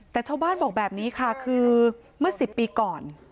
แต่ชาวบ้านบอกแบบนี้ค่ะคือเมื่อ๑๐ปีก่อน